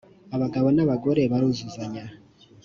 abagabo n’abagore baruzuzanya.